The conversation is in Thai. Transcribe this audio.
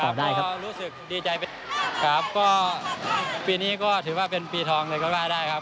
ครับปีนี้ก็ถือว่าเป็นปีทองเลยก็ได้ครับ